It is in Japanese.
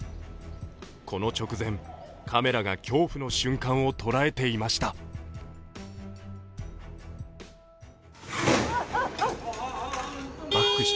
この直前、カメラが恐怖の瞬間を捉えていました。